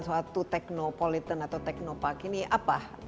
suatu teknopolitan atau teknopark ini apa